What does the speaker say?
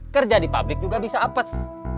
kerja di pabrik juga bisa apes